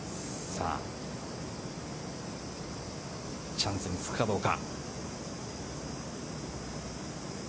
チャンスにつくかどうか。